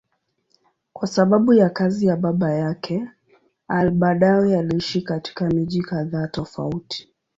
Kwa sababu ya kazi ya baba yake, al-Badawi aliishi katika miji kadhaa tofauti.